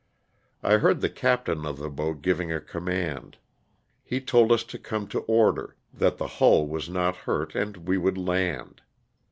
I heard the captain of the boat giving a command, lie told us to come to order, that the hull was not hurt and we would land.